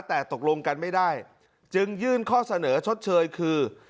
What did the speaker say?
แต่ตกลงกันไม่ได้จึงยื่นข้อเสนอชดเชยคือ